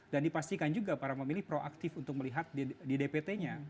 dan dipastikan juga para pemilih proaktif untuk melihat di dpt nya